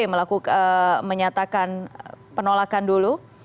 melakukan menyatakan penolakan dulu